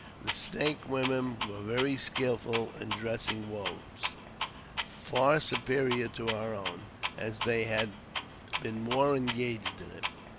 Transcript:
The Snake women were very skilful in dressing robes — far superior to our own, as they had been more engaged in it.